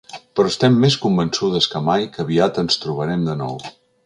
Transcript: Però estem més convençudes que mai, que aviat ens trobarem de nou.